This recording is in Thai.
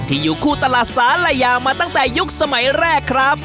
อยู่คู่ตลาดสาลายามาตั้งแต่ยุคสมัยแรกครับ